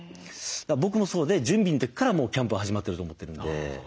僕もそうで準備の時からもうキャンプは始まってると思ってるんで。